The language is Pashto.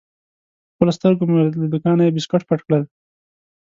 په خپلو سترګو مې ولید: له دوکانه یې بیسکویټ پټ کړل.